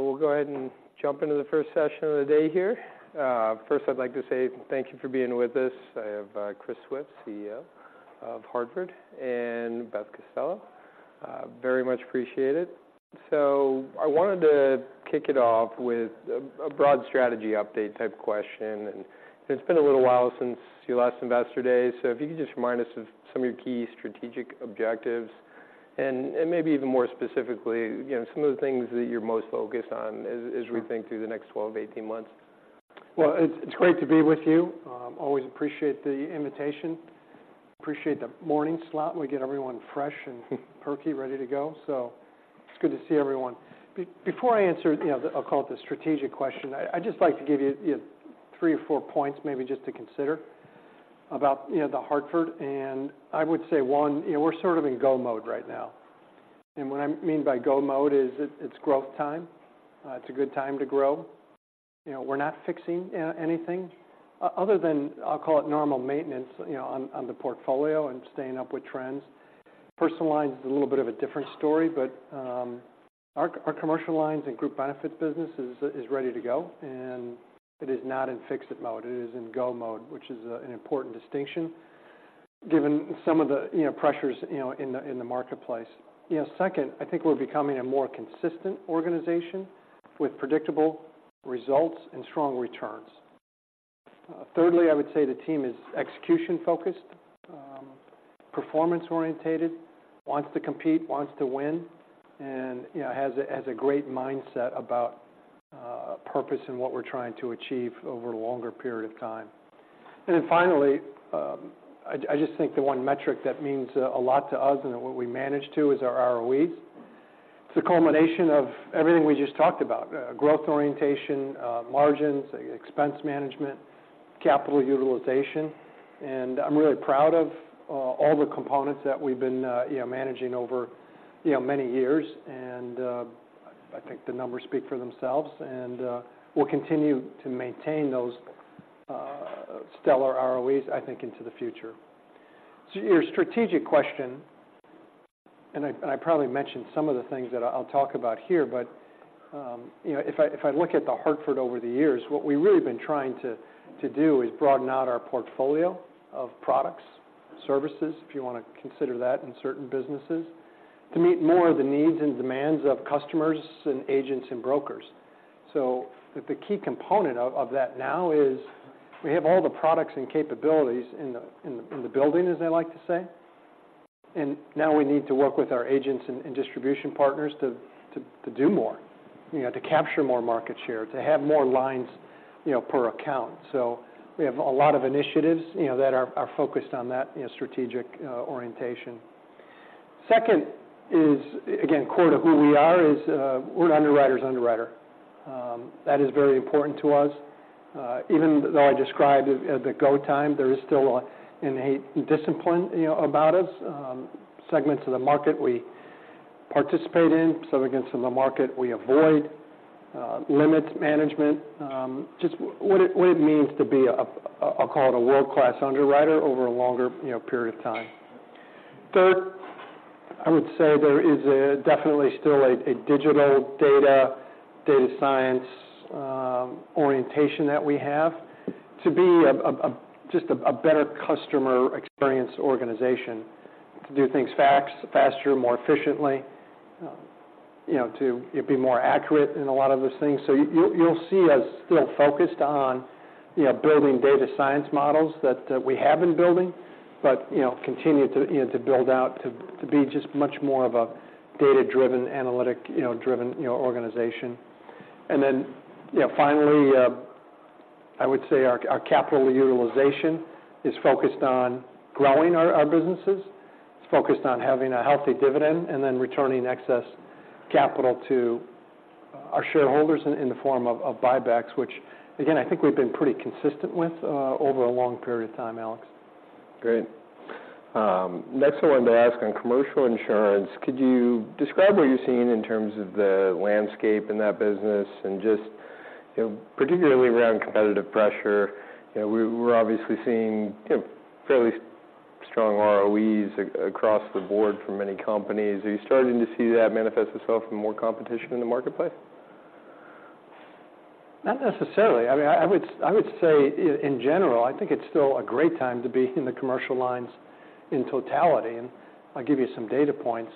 We'll go ahead and jump into the first session of the day here. First, I'd like to say thank you for being with us. I have Chris Swift, CEO of Hartford, and Beth Costello. Very much appreciated. So I wanted to kick it off with a broad strategy update type question, and it's been a little while since your last Investor Day. So if you could just remind us of some of your key strategic objectives and maybe even more specifically, you know, some of the things that you're most focused on as we think through the next 12-18 months. Well, it's great to be with you. Always appreciate the invitation. Appreciate the morning slot. We get everyone fresh and perky, ready to go, so it's good to see everyone. Before I answer, you know, the I'll call it the strategic question, I'd just like to give you, you know, three or four points, maybe just to consider about, you know, The Hartford. And I would say, one, you know, we're sort of in go mode right now. And what I mean by go mode is it's growth time. It's a good time to grow. You know, we're not fixing anything other than, I'll call it normal maintenance, you know, on the portfolio and staying up with trends. Personal lines is a little bit of a different story, but our commercial lines and group benefits business is ready to go, and it is not in fix-it mode. It is in go mode, which is an important distinction, given some of the, you know, pressures, you know, in the marketplace. You know, second, I think we're becoming a more consistent organization with predictable results and strong returns. Thirdly, I would say the team is execution-focused, performance-orientated, wants to compete, wants to win, and, you know, has a great mindset about purpose and what we're trying to achieve over a longer period of time. And then finally, I just think the one metric that means a lot to us and what we manage to is our ROEs. It's a culmination of everything we just talked about, growth orientation, margins, expense management, capital utilization, and I'm really proud of all the components that we've been, you know, managing over, you know, many years. I think the numbers speak for themselves, and we'll continue to maintain those stellar ROEs, I think, into the future. So your strategic question, and I probably mentioned some of the things that I'll talk about here, but you know, if I look at The Hartford over the years, what we've really been trying to do is broaden out our portfolio of products, services, if you wanna consider that in certain businesses, to meet more of the needs and demands of customers and agents and brokers. So the key component of that now is we have all the products and capabilities in the building, as I like to say, and now we need to work with our agents and distribution partners to do more, you know, to capture more market share, to have more lines, you know, per account. So we have a lot of initiatives, you know, that are focused on that, you know, strategic orientation. Second is, again, core to who we are is we're an underwriter's underwriter. That is very important to us. Even though I described it as a go time, there is still an innate discipline, you know, about us. Segments of the market we participate in, some segments in the market we avoid, limits management, just what it means to be a—I'll call it a world-class underwriter over a longer, you know, period of time. Third, I would say there is definitely still a digital data science orientation that we have to be a just a better customer experience organization, to do things fast, faster, more efficiently, you know, to be more accurate in a lot of those things. So you'll see us still focused on, you know, building data science models that we have been building, but, you know, continue to, you know, to build out, to be just much more of a data-driven, analytic, you know, driven, you know, organization. And then, you know, finally, I would say our, our capital utilization is focused on growing our, our businesses. It's focused on having a healthy dividend and then returning excess capital to our shareholders in, in the form of, of buybacks, which again, I think we've been pretty consistent with, over a long period of time, Alex. Great. Next, I wanted to ask on commercial insurance, could you describe what you're seeing in terms of the landscape in that business and just, you know, particularly around competitive pressure? You know, we're obviously seeing, you know, fairly strong ROEs across the board for many companies. Are you starting to see that manifest itself in more competition in the marketplace? Not necessarily. I mean, I would say in general, I think it's still a great time to be in the commercial lines in totality, and I'll give you some data points.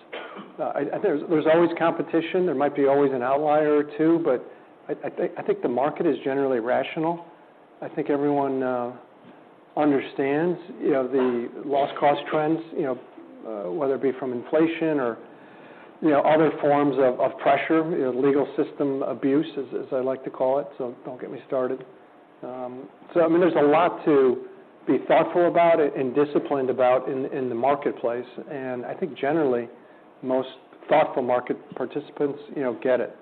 There's always competition. There might be always an outlier or two, but I think the market is generally rational. I think everyone understands, you know, the loss cost trends, you know, whether it be from inflation or, you know, other forms of pressure, you know, legal system abuse, as I like to call it, so don't get me started. So I mean, there's a lot to be thoughtful about it and disciplined about in the marketplace, and I think generally, most thoughtful market participants, you know, get it.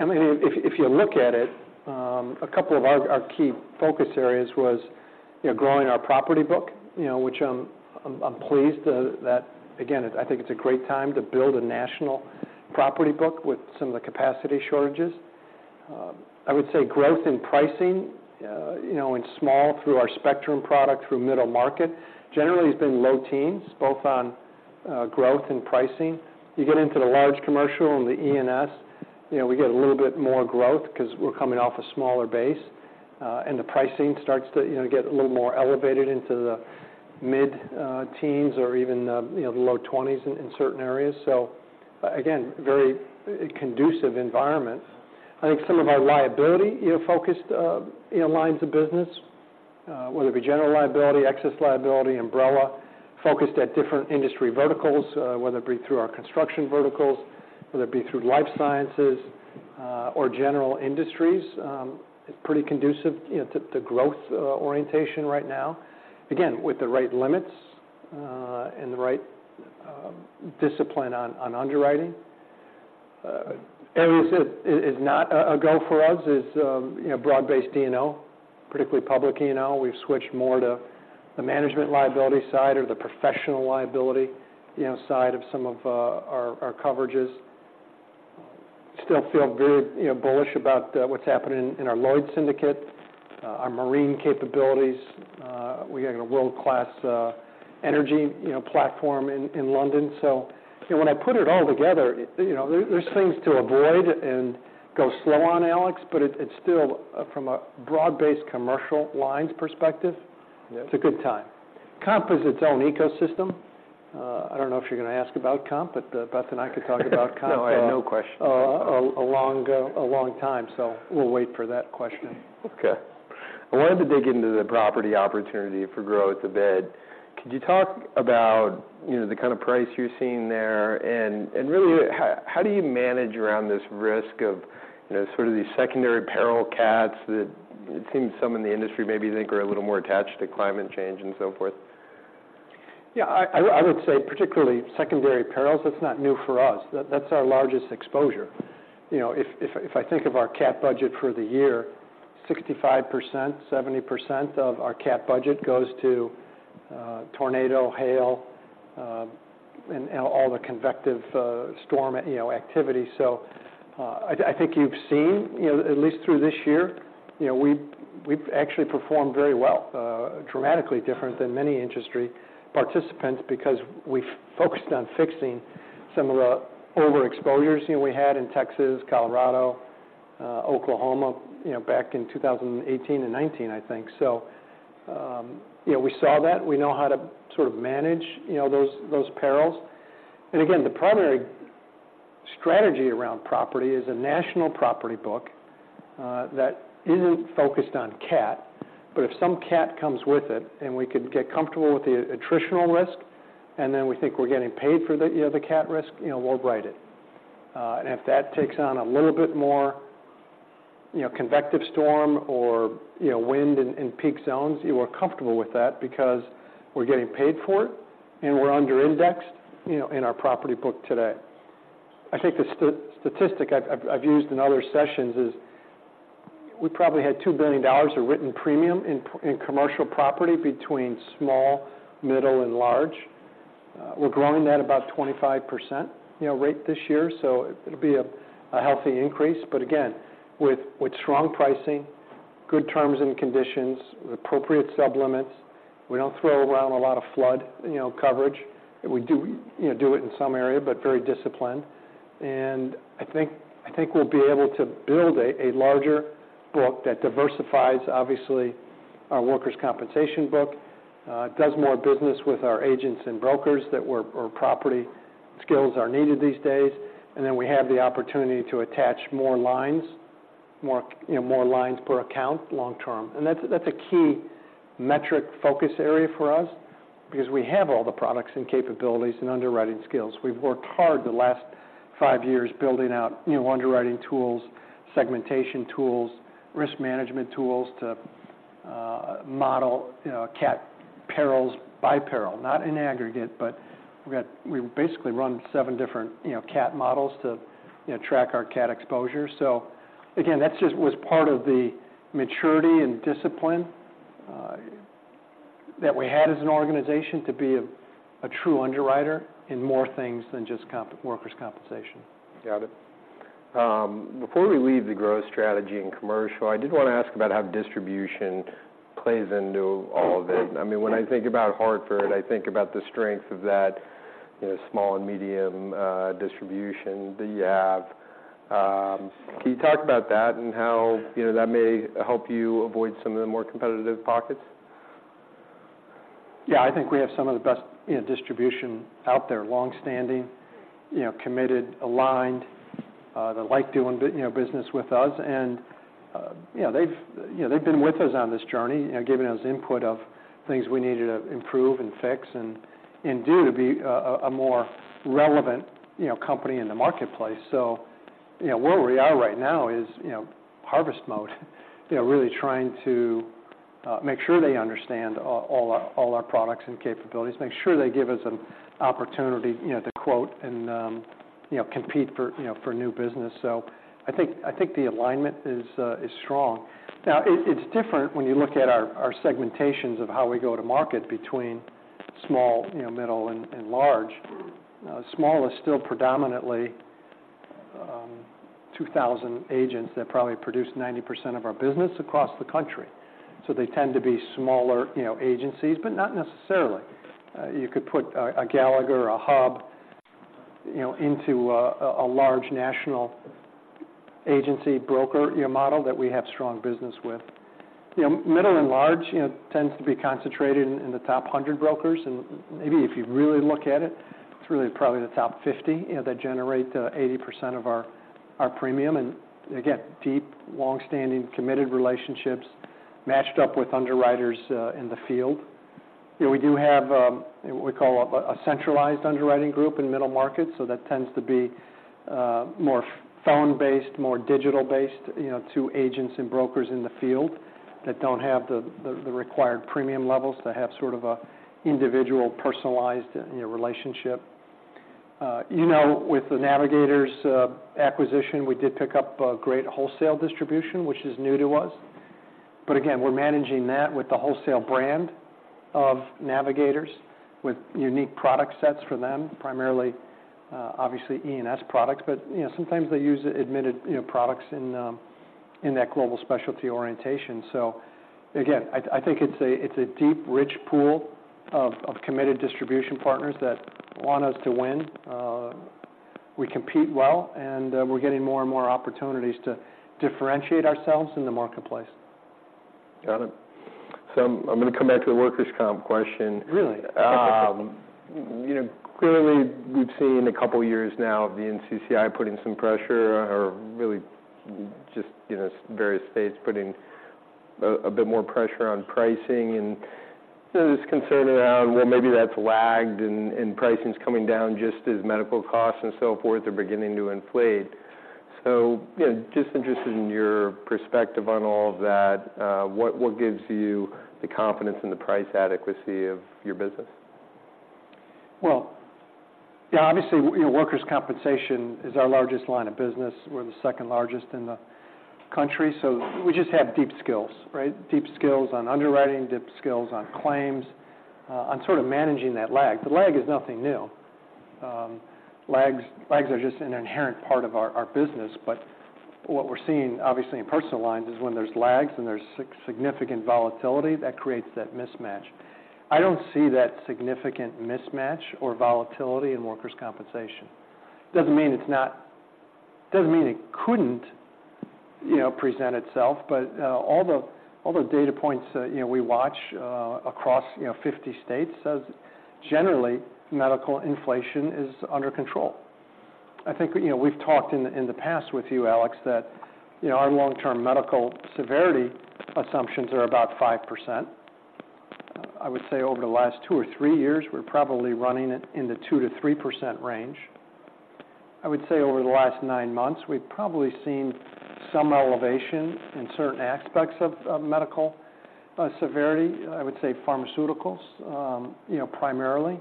I mean, if you look at it, a couple of our key focus areas was, you know, growing our property book, you know, which I'm pleased that... Again, I think it's a great time to build a national property book with some of the capacity shortages.... I would say growth in pricing, you know, in small through our Spectrum product, through middle market, generally has been low teens, both on growth and pricing. You get into the large commercial and the E&S, you know, we get a little bit more growth because we're coming off a smaller base, and the pricing starts to, you know, get a little more elevated into the mid teens or even, you know, the low twenties in certain areas. So again, very conducive environment. I think some of our liability, you know, focused lines of business, whether it be general liability, excess liability, umbrella, focused at different industry verticals, whether it be through our construction verticals, whether it be through life sciences, or general industries, it's pretty conducive, you know, to growth orientation right now. Again, with the right limits and the right discipline on underwriting. Areas that is not a go for us is, you know, broad-based D&O, particularly public D&O. We've switched more to the management liability side or the professional liability, you know, side of some of our coverages. Still feel very, you know, bullish about what's happening in our Lloyd's Syndicate, our marine capabilities. We got a world-class energy, you know, platform in London. So, you know, when I put it all together, you know, there's things to avoid and go slow on, Alex, but it's still, from a broad-based commercial lines perspective- Yep. It's a good time. Comp is its own ecosystem. I don't know if you're going to ask about comp, but Beth and I could talk about comp- No, I had no question. A long time ago, so we'll wait for that question. Okay. I wanted to dig into the property opportunity for growth a bit. Could you talk about, you know, the kind of price you're seeing there? And really, how do you manage around this risk of, you know, sort of these secondary peril cats, that it seems some in the industry maybe think are a little more attached to climate change and so forth? Yeah, I would say, particularly secondary perils, that's not new for us. That's our largest exposure. You know, if I think of our cat budget for the year, 65%, 70% of our cat budget goes to tornado, hail, and all the convective storm, you know, activity. So, I think you've seen, you know, at least through this year, you know, we've actually performed very well, dramatically different than many industry participants because we've focused on fixing some of the overexposures, you know, we had in Texas, Colorado, Oklahoma, you know, back in 2018 and 2019, I think. So, you know, we saw that. We know how to sort of manage, you know, those, those perils. Again, the primary strategy around property is a national property book that isn't focused on cat. But if some cat comes with it, and we can get comfortable with the attritional risk, and then we think we're getting paid for the, you know, the cat risk, you know, we'll write it. And if that takes on a little bit more, you know, convective storm or, you know, wind in peak zones, we're comfortable with that because we're getting paid for it, and we're under indexed, you know, in our property book today. I think the statistic I've used in other sessions is we probably had $2,000,000,000 of written premium in commercial property between small, middle, and large. We're growing at about 25% rate this year, so it'll be a healthy increase. But again, with strong pricing, good terms and conditions, appropriate sub limits, we don't throw around a lot of flood, you know, coverage. We do, you know, do it in some area, but very disciplined. And I think we'll be able to build a larger book that diversifies, obviously, our workers' compensation book, does more business with our agents and brokers that where our property skills are needed these days. And then we have the opportunity to attach more lines, more, you know, more lines per account long term. And that's a key metric focus area for us because we have all the products and capabilities and underwriting skills. We've worked hard the last five years building out new underwriting tools, segmentation tools, risk management tools to model, you know, cat perils by peril, not in aggregate, but we basically run seven different, you know, cat models to, you know, track our cat exposure. So again, that just was part of the maturity and discipline that we had as an organization to be a true underwriter in more things than just workers' compensation. Got it. Before we leave the growth strategy in commercial, I did want to ask about how distribution plays into all of it. I mean, when I think about Hartford, I think about the strength of that, you know, small and medium distribution that you have. Can you talk about that and how, you know, that may help you avoid some of the more competitive pockets? Yeah, I think we have some of the best, you know, distribution out there, long-standing, you know, committed, aligned, that like doing business with us. And, you know, they've, you know, they've been with us on this journey, you know, giving us input of things we need to improve and fix and do to be a more relevant, you know, company in the marketplace. So, you know, where we are right now is, you know, harvest mode, you know, really trying to make sure they understand all our, all our products and capabilities, make sure they give us an opportunity, you know, to quote and, you know, compete for, you know, for new business. So I think, I think the alignment is strong. Now, it's different when you look at our segmentations of how we go to market between small, you know, middle and large. Small is still predominantly 2,000 agents that probably produce 90% of our business across the country. So they tend to be smaller, you know, agencies, but not necessarily. You could put a Gallagher or a Hub, you know, into a large national agency broker model that we have strong business with. You know, middle and large tends to be concentrated in the top 100 brokers. And maybe if you really look at it, it's really probably the top 50, you know, that generate 80% of our premium. And again, deep, long-standing, committed relationships matched up with underwriters in the field. You know, we do have what we call a centralized underwriting group in middle markets, so that tends to be more phone-based, more digital-based, you know, to agents and brokers in the field that don't have the required premium levels to have sort of a individual, personalized, you know, relationship. You know, with the Navigators acquisition, we did pick up a great wholesale distribution, which is new to us. But again, we're managing that with the wholesale brand of Navigators, with unique product sets for them, primarily, obviously, E&S products. But, you know, sometimes they use admitted, you know, products in in that global specialty orientation. So again, I think it's a it's a deep, rich pool of committed distribution partners that want us to win. We compete well, and we're getting more and more opportunities to differentiate ourselves in the marketplace. Got it. So I'm gonna come back to the workers' comp question. Really? You know, clearly, we've seen a couple of years now of the NCCI putting some pressure or really just, you know, various states putting a bit more pressure on pricing and there's concern around, well, maybe that's lagged and pricing is coming down just as medical costs and so forth are beginning to inflate. So, you know, just interested in your perspective on all of that, what gives you the confidence in the price adequacy of your business? Well, yeah, obviously, you know, workers' compensation is our largest line of business. We're the second largest in the country, so we just have deep skills, right? Deep skills on underwriting, deep skills on claims, on sort of managing that lag. The lag is nothing new. Lags, lags are just an inherent part of our, our business. But what we're seeing, obviously, in personal lines, is when there's lags and there's significant volatility, that creates that mismatch. I don't see that significant mismatch or volatility in workers' compensation. Doesn't mean it's not. Doesn't mean it couldn't, you know, present itself, but, all the, all the data points, you know, we watch, across, you know, 50 states says, generally, medical inflation is under control. I think, you know, we've talked in the, in the past with you, Alex, that, you know, our long-term medical severity assumptions are about 5%. I would say over the last 2 or 3 years, we're probably running it in the 2%-3% range. I would say over the last 9 months, we've probably seen some elevation in certain aspects of, of medical, severity, I would say pharmaceuticals, you know, primarily.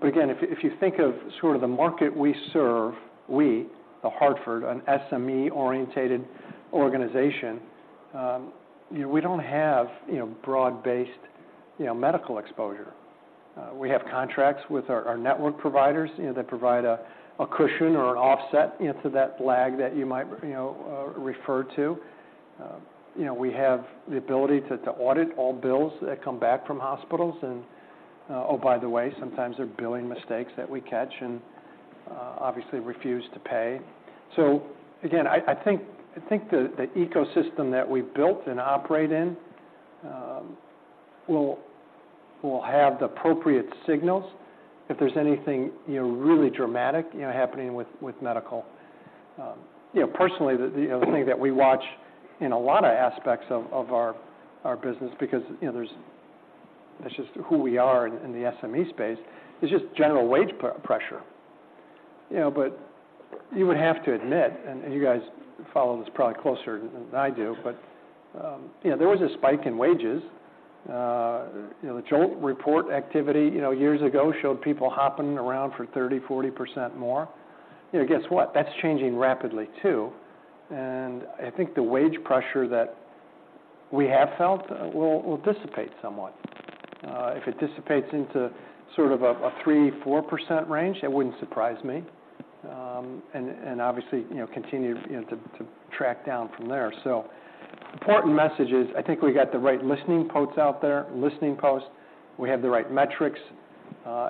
But again, if you, if you think of sort of the market we serve, we, The Hartford, an SME-oriented organization, you know, we don't have, you know, broad-based, you know, medical exposure. We have contracts with our, our network providers, you know, that provide a, a cushion or an offset, you know, to that lag that you might, you know, refer to. You know, we have the ability to audit all bills that come back from hospitals and. Oh, by the way, sometimes there are billing mistakes that we catch and obviously refuse to pay. So again, I think the ecosystem that we've built and operate in will have the appropriate signals if there's anything, you know, really dramatic, you know, happening with medical. You know, personally, the thing that we watch in a lot of aspects of our business because, you know, there's - that's just who we are in the SME space, is just general wage pressure. You know, but you would have to admit, and you guys follow this probably closer than I do, but, you know, there was a spike in wages. You know, the JOLTS Report activity, you know, years ago, showed people hopping around for 30%-40% more. You know, guess what? That's changing rapidly, too. And I think the wage pressure that we have felt will dissipate somewhat. If it dissipates into sort of a 3%-4% range, that wouldn't surprise me. And obviously, you know, continue, you know, to track down from there. So the important message is, I think we got the right listening posts out there, listening posts, we have the right metrics,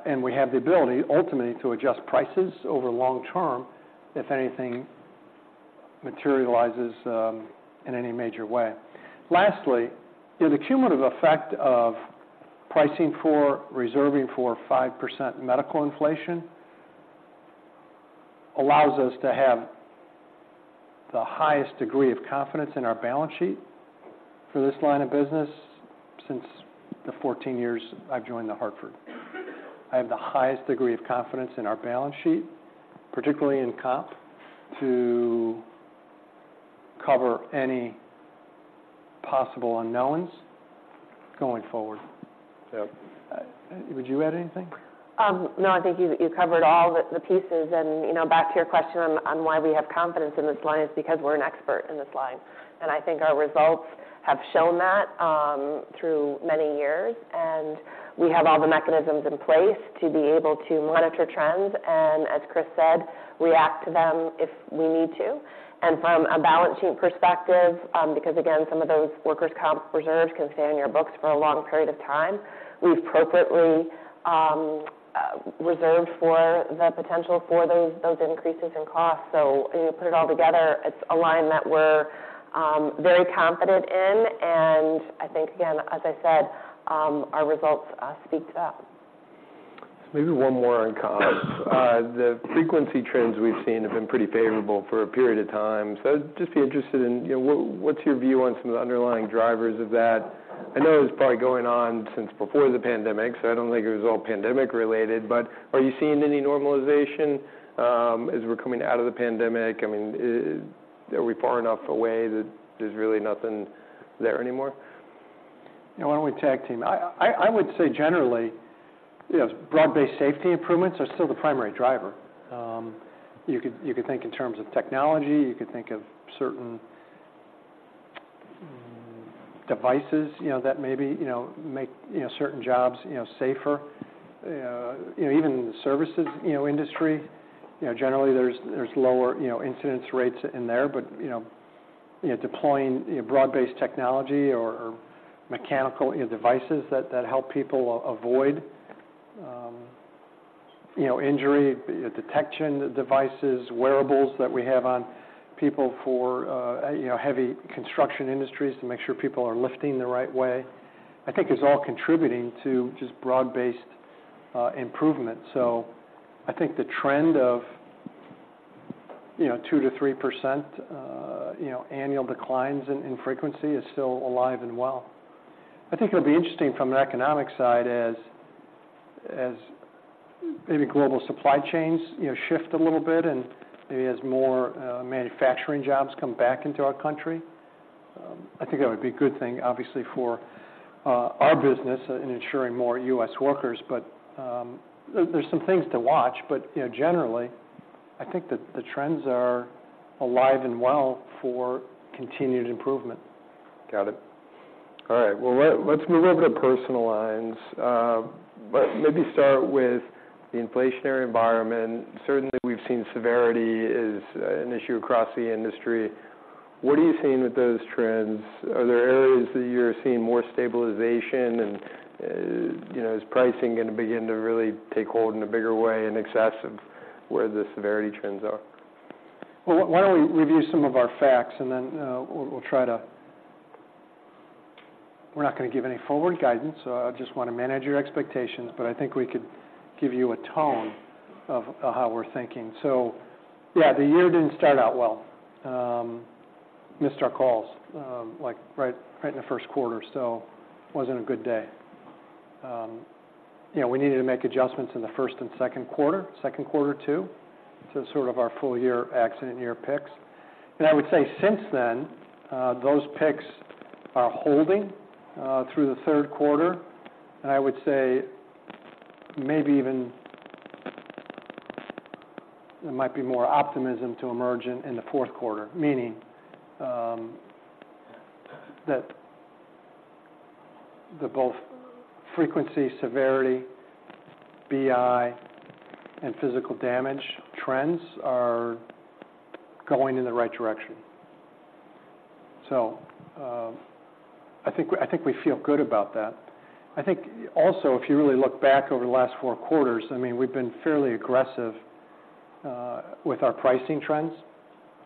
and we have the ability, ultimately, to adjust prices over long term if anything materializes in any major way. Lastly, the cumulative effect of pricing for reserving for 5% medical inflation allows us to have the highest degree of confidence in our balance sheet for this line of business since the 14 years I've joined The Hartford. I have the highest degree of confidence in our balance sheet, particularly in comp, to cover any possible unknowns going forward. Yeah. Would you add anything? ... No, I think you covered all the pieces. You know, back to your question on why we have confidence in this line, it's because we're an expert in this line. I think our results have shown that through many years. We have all the mechanisms in place to be able to monitor trends, and as Chris said, react to them if we need to. From a balance sheet perspective, because, again, some of those workers' comp reserves can stay on your books for a long period of time, we've appropriately reserved for the potential for those increases in costs. So if you put it all together, it's a line that we're very confident in, and I think, again, as I said, our results speak to that. Maybe one more on comp. The frequency trends we've seen have been pretty favorable for a period of time. So I'd just be interested in, you know, what, what's your view on some of the underlying drivers of that? I know it's probably going on since before the pandemic, so I don't think it was all pandemic related, but are you seeing any normalization as we're coming out of the pandemic? I mean, are we far enough away that there's really nothing there anymore? Yeah, why don't we tag team? I would say generally, yes, broad-based safety improvements are still the primary driver. You could think in terms of technology, you could think of certain devices, you know, that maybe, you know, make, you know, certain jobs, you know, safer. You know, even the services, you know, industry, you know, generally there's, there's lower, you know, incidence rates in there. But, you know, deploying broad-based technology or mechanical devices that help people avoid injury, detection devices, wearables that we have on people for heavy construction industries to make sure people are lifting the right way, I think is all contributing to just broad-based improvement. So I think the trend of, you know, 2%-3% annual declines in frequency is still alive and well. I think it'll be interesting from an economic side as, as maybe global supply chains, you know, shift a little bit and maybe as more manufacturing jobs come back into our country. I think that would be a good thing, obviously, for our business in ensuring more U.S. workers. But, there's some things to watch, but, you know, generally, I think that the trends are alive and well for continued improvement. Got it. All right. Well, let's move over to personal lines. But maybe start with the inflationary environment. Certainly, we've seen severity is an issue across the industry. What are you seeing with those trends? Are there areas that you're seeing more stabilization? And, you know, is pricing going to begin to really take hold in a bigger way in excess of where the severity trends are? Well, why don't we review some of our facts, and then we'll try to... We're not going to give any forward guidance, so I just want to manage your expectations, but I think we could give you a tone of how we're thinking. So yeah, the year didn't start out well. Missed our calls, like, right in the first quarter, so it wasn't a good day. You know, we needed to make adjustments in the first and second quarter too, to sort of our full year accident year picks. And I would say since then, those picks are holding through the third quarter. And I would say maybe even there might be more optimism to emerge in the fourth quarter. Meaning, that both frequency, severity, BI, and physical damage trends are going in the right direction. So, I think we feel good about that. I think also, if you really look back over the last four quarters, I mean, we've been fairly aggressive with our pricing trends.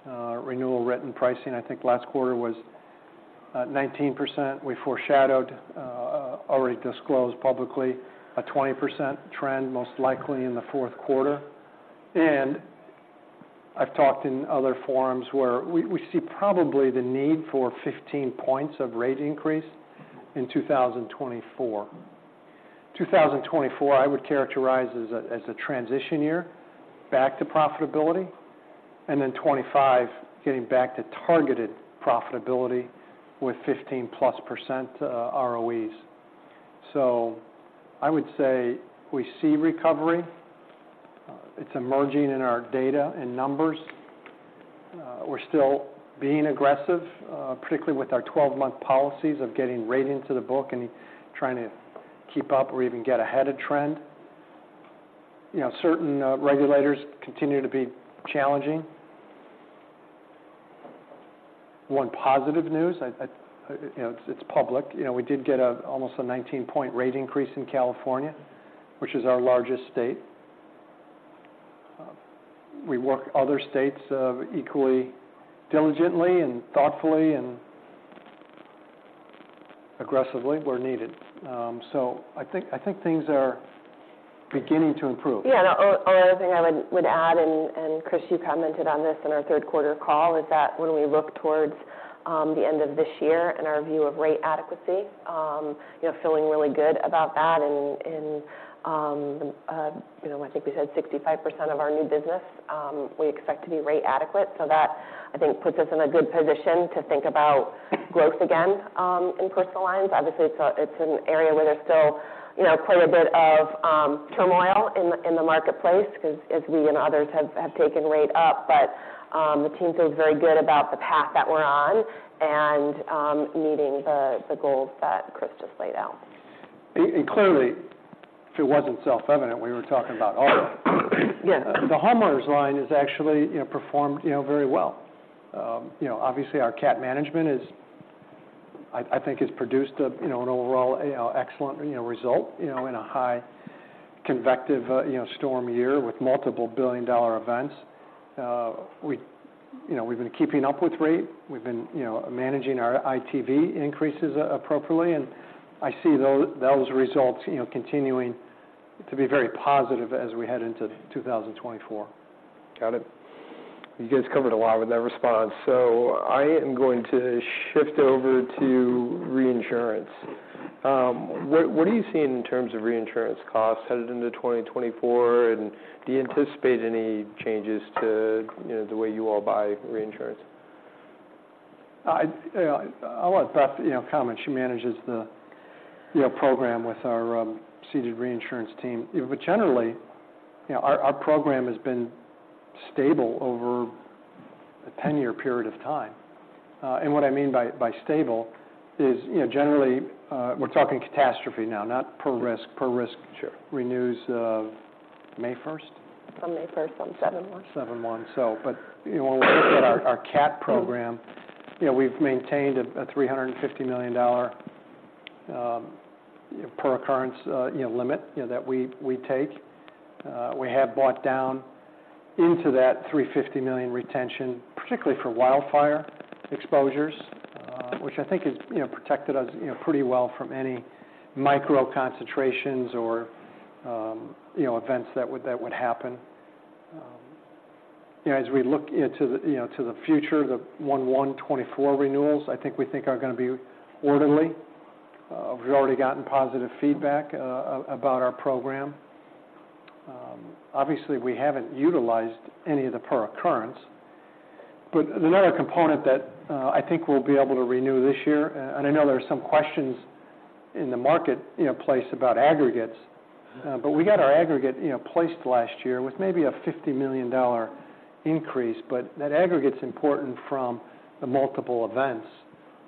Renewal written pricing, I think last quarter was at 19%. We foreshadowed already disclosed publicly, a 20% trend, most likely in the fourth quarter. And I've talked in other forums where we see probably the need for 15 points of rate increase in 2024. 2024, I would characterize as a transition year back to profitability, and then 2025, getting back to targeted profitability with 15%+ ROEs. So I would say we see recovery. It's emerging in our data and numbers. We're still being aggressive, particularly with our 12-month policies of getting rate into the book and trying to keep up or even get ahead of trend. You know, certain regulators continue to be challenging. One positive news, you know, it's public, you know, we did get almost a 19-point rate increase in California, which is our largest state. We work other states equally diligently and thoughtfully and aggressively where needed. So I think things are beginning to improve. Yeah, and the only other thing I would add, and Chris, you commented on this in our third quarter call, is that when we look towards the end of this year and our view of rate adequacy, you know, feeling really good about that and, you know, I think we said 65% of our new business, we expect to be rate adequate. So that, I think, puts us in a good position to think about growth again, in personal lines. Obviously, it's an area where there's still, you know, quite a bit of turmoil in the marketplace because as we and others have taken rate up. But the team feels very good about the path that we're on and meeting the goals that Chris just laid out. Clearly, if it wasn't self-evident, we were talking about auto. Yeah. The homeowners line is actually, you know, performed, you know, very well. You know, obviously, our cat management is I think has produced a, you know, an overall, you know, excellent, you know, result, you know, in a high convective, you know, storm year with multiple billion-dollar events. We, you know, we've been keeping up with rate. We've been, you know, managing our ITV increases appropriately, and I see those results, you know, continuing to be very positive as we head into 2024. Got it. You guys covered a lot with that response, so I am going to shift over to reinsurance. What are you seeing in terms of reinsurance costs headed into 2024, and do you anticipate any changes to, you know, the way you all buy reinsurance? I'll let Beth, you know, comment. She manages the, you know, program with our, ceded reinsurance team. But generally, you know, our program has been stable over a 10-year period of time. And what I mean by stable is, you know, generally, we're talking catastrophe now, not per risk. Per risk- Sure... renews, May first? From May first, 2017. 7/1. So but, you know, when we look at our cat program, you know, we've maintained a $350,000,000 per occurrence limit, you know, that we take. We have bought down into that $350,000,000 retention, particularly for wildfire exposures, which I think has, you know, protected us, you know, pretty well from any micro concentrations or events that would happen. You know, as we look into, you know, the future, the 1/1/2024 renewals, I think we think are going to be orderly. We've already gotten positive feedback about our program. Obviously, we haven't utilized any of the per occurrence. But another component that, I think we'll be able to renew this year, and I know there are some questions in the marketplace about aggregates, but we got our aggregate, you know, placed last year with maybe a $50,000,000 increase. But that aggregate's important from the multiple events,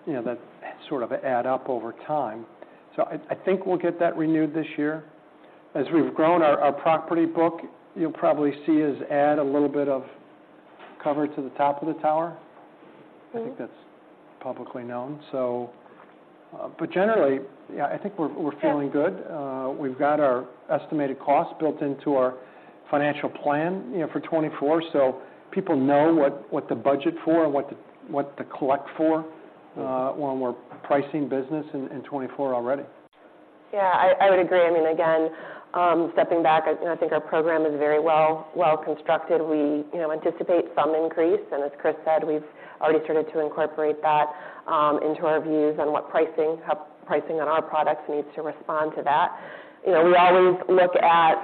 you know, that sort of add up over time. So I think we'll get that renewed this year. As we've grown our property book, you'll probably see us add a little bit of cover to the top of the tower. Mm-hmm. I think that's publicly known. But generally, yeah, I think we're feeling good. Yeah. We've got our estimated costs built into our financial plan, you know, for 2024, so people know what to budget for and what to collect for, when we're pricing business in 2024 already. Yeah, I would agree. I mean, again, stepping back, I, you know, I think our program is very well constructed. We, you know, anticipate some increase, and as Chris said, we've already started to incorporate that into our views on how pricing on our products needs to respond to that. You know, we always look at,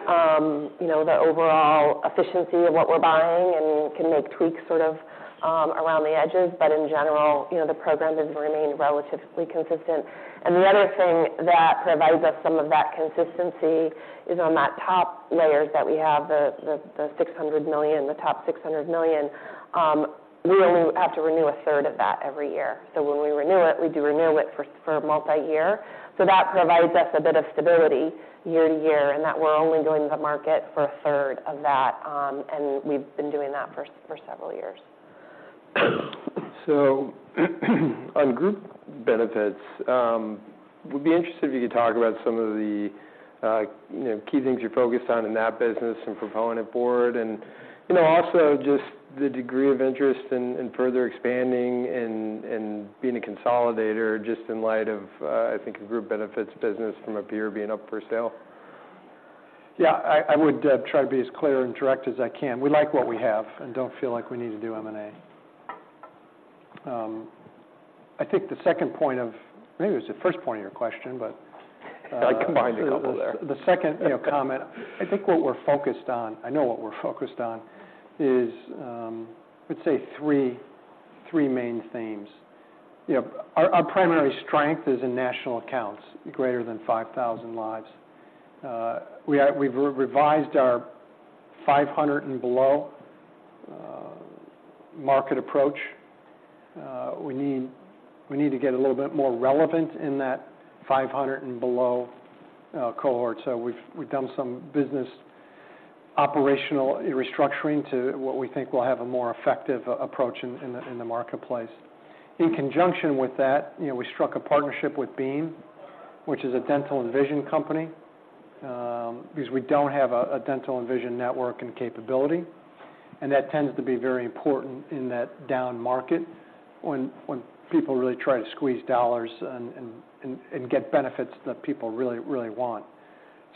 you know, the overall efficiency of what we're buying and can make tweaks sort of around the edges. But in general, you know, the program has remained relatively consistent. And the other thing that provides us some of that consistency is on that top layers, that we have the $600,000,000, the top $600,000,000, we only have to renew a third of that every year. So when we renew it, we do renew it for multiyear. So that provides us a bit of stability year to year, in that we're only going to the market for a third of that, and we've been doing that for several years. So on group benefits, would be interested if you could talk about some of the, you know, key things you're focused on in that business and proponent board. You know, also just the degree of interest in further expanding and being a consolidator, just in light of, I think, a group benefits business from up here being up for sale. Yeah, I would try to be as clear and direct as I can. We like what we have and don't feel like we need to do M&A. I think the second point of—maybe it was the first point of your question, but, I combined a couple there.... The second, you know, comment, I think what we're focused on—I know what we're focused on is, let's say 3 main themes. You know, our primary strength is in national accounts, greater than 5,000 lives. We've revised our 500 and below market approach. We need to get a little bit more relevant in that 500 and below cohort. So we've done some business operational restructuring to what we think will have a more effective approach in the marketplace. In conjunction with that, you know, we struck a partnership with Beam, which is a dental and vision company, because we don't have a dental and vision network and capability, and that tends to be very important in that down market when people really try to squeeze dollars and get benefits that people really want.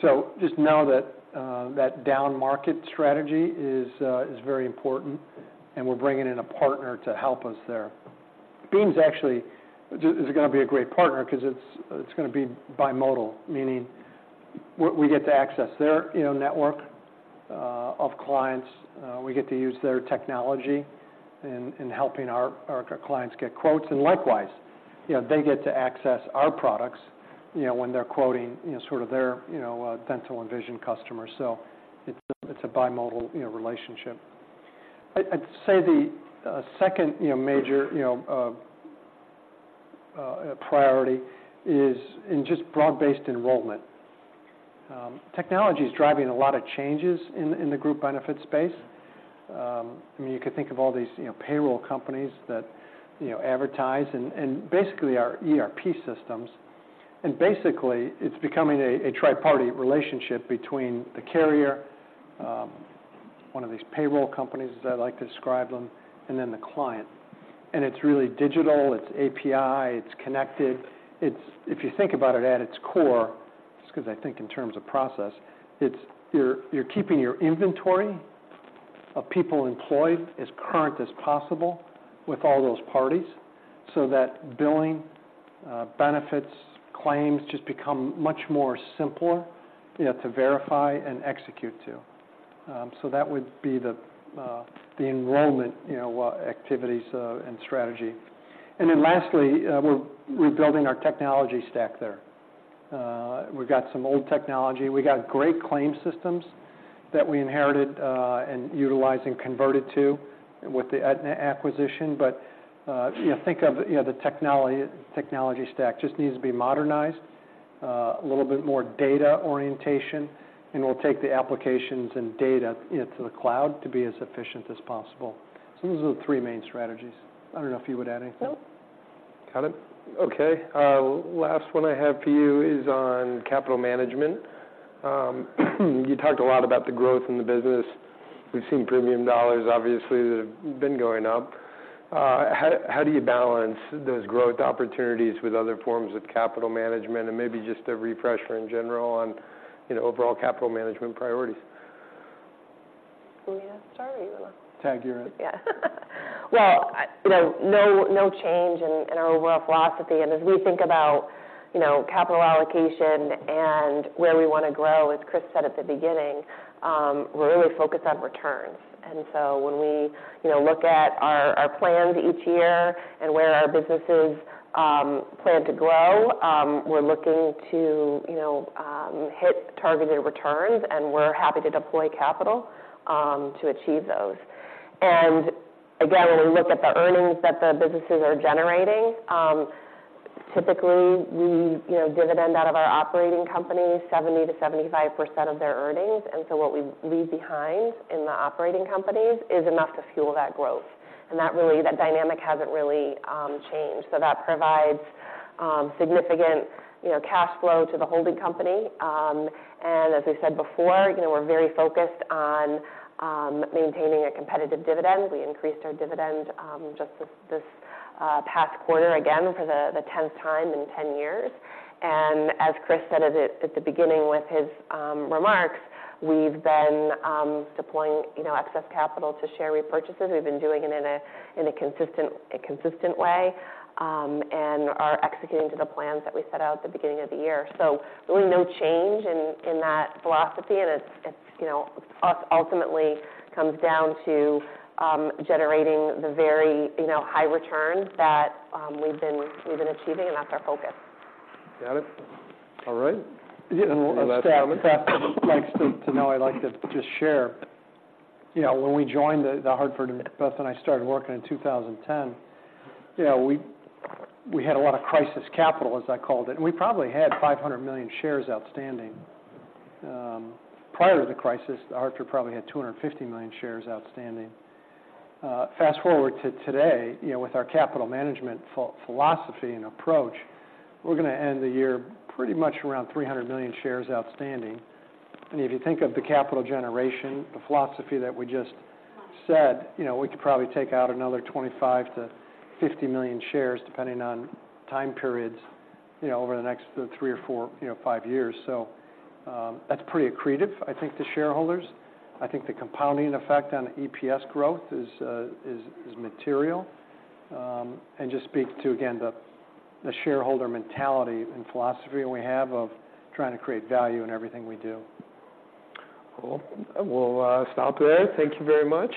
So just know that that down market strategy is very important, and we're bringing in a partner to help us there.... Beam's actually is gonna be a great partner 'cause it's gonna be bimodal, meaning we get to access their, you know, network of clients. We get to use their technology in helping our clients get quotes, and likewise, you know, they get to access our products, you know, when they're quoting, you know, sort of their, you know, dental and vision customers. So it's a bimodal, you know, relationship. I'd say the second, you know, major, you know, priority is in just broad-based enrollment. Technology is driving a lot of changes in the group benefit space. I mean, you could think of all these, you know, payroll companies that, you know, advertise and basically are ERP systems. And basically, it's becoming a triparty relationship between the carrier, one of these payroll companies, as I like to describe them, and then the client. And it's really digital, it's API, it's connected, it's— If you think about it, at its core, just 'cause I think in terms of process, it's you're keeping your inventory of people employed as current as possible with all those parties, so that billing, benefits, claims just become much more simpler, you know, to verify and execute to. So that would be the enrollment, you know, activities, and strategy. And then lastly, we're rebuilding our technology stack there. We've got some old technology. We've got great claim systems that we inherited, and utilized and converted to with the Aetna acquisition. But, you know, think of the technology stack just needs to be modernized, a little bit more data orientation, and we'll take the applications and data into the cloud to be as efficient as possible. So those are the three main strategies. I don't know if you would add anything? No. Got it. Okay, last one I have for you is on capital management. You talked a lot about the growth in the business. We've seen premium dollars, obviously, that have been going up. How do you balance those growth opportunities with other forms of capital management? And maybe just a refresher in general on, you know, overall capital management priorities. Me start or you wanna? Tag, you're it. Yeah. Well, you know, no change in our overall philosophy. And as we think about, you know, capital allocation and where we wanna grow, as Chris said at the beginning, we're really focused on returns. And so when we, you know, look at our plans each year and where our businesses plan to grow, we're looking to, you know, hit targeted returns, and we're happy to deploy capital to achieve those. And again, when we look at the earnings that the businesses are generating, typically, we, you know, dividend out of our operating companies 70%-75% of their earnings. And so what we leave behind in the operating companies is enough to fuel that growth. And that really, that dynamic hasn't really changed. So that provides significant, you know, cash flow to the holding company. And as I said before, you know, we're very focused on maintaining a competitive dividend. We increased our dividend just this past quarter again for the 10th time in 10 years. And as Chris said at the beginning with his remarks, we've been deploying, you know, excess capital to share repurchases. We've been doing it in a consistent way and are executing to the plans that we set out at the beginning of the year. So really, no change in that philosophy, and it's, you know, ultimately comes down to generating the very high returns that we've been achieving, and that's our focus. Got it. All right. Yeah, and well, I'd like to just share. You know, when we joined The Hartford, and Beth and I started working in 2010, you know, we had a lot of crisis capital, as I called it, and we probably had 500,000,000 shares outstanding. Prior to the crisis, The Hartford probably had 250,000,000 shares outstanding. Fast-forward to today, you know, with our capital management philosophy and approach, we're gonna end the year pretty much around 300,000,000 shares outstanding. And if you think of the capital generation, the philosophy that we just said, you know, we could probably take out another 25,000,000-50,000,000 shares, depending on time periods, you know, over the next three or four, you know, five years. So, that's pretty accretive, I think, to shareholders. I think the compounding effect on EPS growth is material. And just speak to, again, the shareholder mentality and philosophy we have of trying to create value in everything we do. Cool. We'll stop there. Thank you very much.